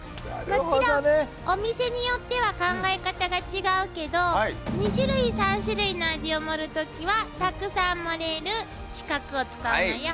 もちろんお店によっては考え方が違うけど２種類３種類の味を盛る時はたくさん盛れる四角を使うのよ。